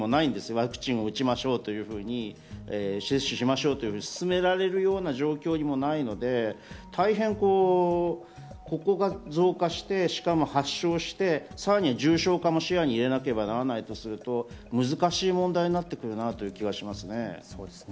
ワクチンを打ちましょうと進められるような状況にもないので、ここが増加して発症して、さらに重症化も視野に入れなければならないとすると難しい問題になってくるなという気がしますね。